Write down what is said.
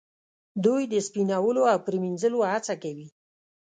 دوی د سپینولو او پریمینځلو هڅه کوي.